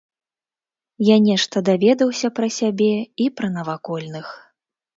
Я нешта даведаўся пра сябе і пра навакольных.